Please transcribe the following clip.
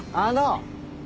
あの！